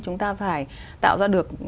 chúng ta phải tạo ra được